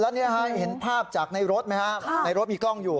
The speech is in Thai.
แล้วนี่ฮะเห็นภาพจากในรถไหมครับในรถมีกล้องอยู่